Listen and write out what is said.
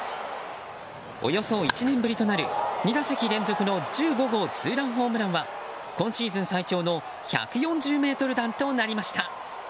およそ１年ぶりとなる２打席連続の１５号ツーランホームランは今シーズン最長の１４０ｍ弾となりました。